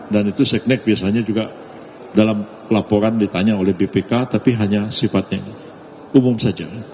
dan itu seknek biasanya juga dalam laporan ditanya oleh bpk tapi hanya sifatnya umum saja